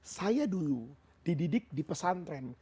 saya dulu dididik di pesantren